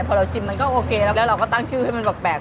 พอเราชิมมันก็โอเคแล้วเราก็ตั้งชื่อให้มันแปลก